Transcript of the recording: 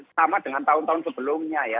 sama dengan tahun tahun sebelumnya ya